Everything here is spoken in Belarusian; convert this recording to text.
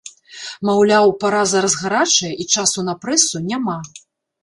Маўляў, пара зараз гарачая і часу на прэсу няма.